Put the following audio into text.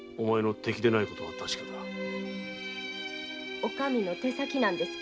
お上の手先なんですか？